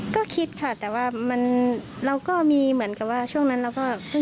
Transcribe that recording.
ก็คิดค่ะแต่ว่ามันเราก็มีเหมือนกับว่าช่วงนั้นเราก็ขึ้น